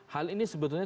hal ini sebetulnya